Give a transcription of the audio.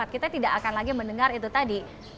kita tidak akan lagi mendengar itu tadi